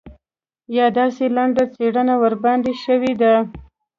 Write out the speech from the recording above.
یا داسې لنډه څېړنه ورباندې شوې ده.